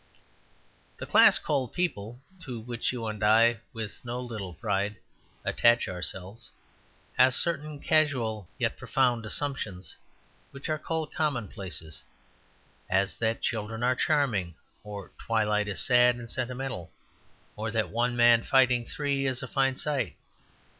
The class called People (to which you and I, with no little pride, attach ourselves) has certain casual, yet profound, assumptions, which are called "commonplaces," as that children are charming, or that twilight is sad and sentimental, or that one man fighting three is a fine sight.